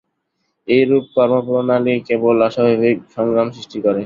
এইরূপ কর্মপ্রণালী কেবল অস্বাভাবিক সংগ্রাম সৃষ্টি করে।